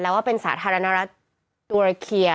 แล้วว่าเป็นสาธารณรัฐตุรเคีย